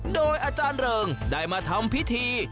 โดยอาจารย์เริงได้มาทำพิธี